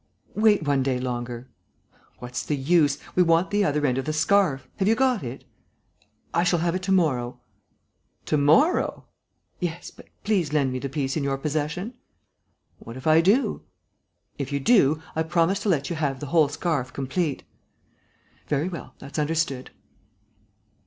"Wait one day longer." "What's the use? We want the other end of the scarf; have you got it?" "I shall have it to morrow." "To morrow!" "Yes, but please lend me the piece in your possession." "What if I do?" "If you do, I promise to let you have the whole scarf complete." "Very well, that's understood."